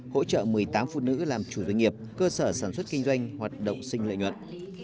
hỗ trợ một mươi tám phụ nữ làm chủ doanh nghiệp cơ sở sản xuất kinh doanh hoạt động sinh lợi nhuận